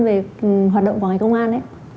về hoạt động của ngành công an